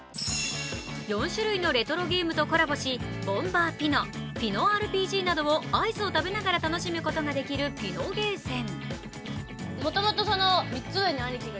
４種類のレトロゲームとコラボし「ボンバーピノ」「ピノＲＰＧ」などをアイスを食べながら楽しむことができるピノゲーセン。